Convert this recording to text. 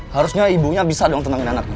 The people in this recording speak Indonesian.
harusnya ibunya bisa dong tenangin anaknya